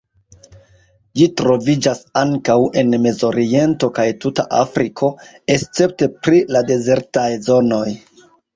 Ĝi troviĝas ankaŭ en Mezoriento kaj tuta Afriko, escepte pri la dezertaj zonoj.